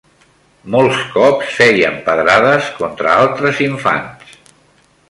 Molts cops feien pedrades contra altres infants